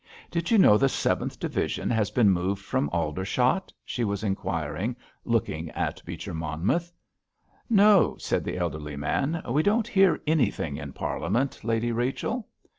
"Did you know the Seventh Division has been moved from Aldershot?" she was inquiring, looking at Beecher Monmouth. "No," said the elderly man, "we don't hear anything in Parliament, Lady Rachel."